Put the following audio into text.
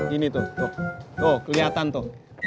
gini tuh kelihatan tuh